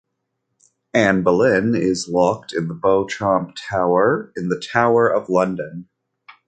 Anne Boleyn is locked in Beauchamp Tower in the Tower of London.